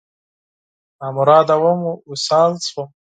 نامراده وم، وصال شوم